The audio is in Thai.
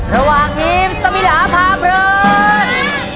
ระหว่างทีมสมิหาพาเพลิน